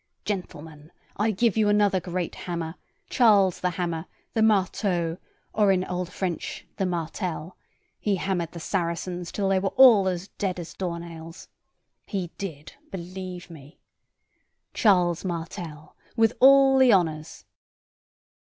Gentlemen, I give you another great hammer Charles the Hammer, the Marteau, or, in old French, the Martel he hammered the Saracens till they were all as dead as door nails he did, believe me." "Charles Martel, with all the honors."